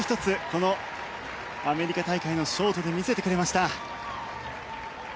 このアメリカ大会のショートで見せてくれました。